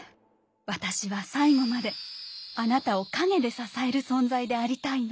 私は最後まであなたを陰で支える存在でありたいの。